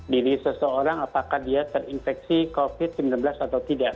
diri seseorang apakah dia terinfeksi covid sembilan belas atau tidak